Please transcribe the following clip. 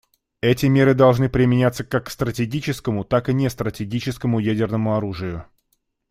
Эти меры должны применяться как к стратегическому, так и нестратегическому ядерному оружию.